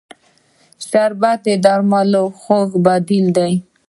شربت د درملو خوږ بدیل دی